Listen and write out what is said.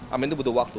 admin itu butuh waktu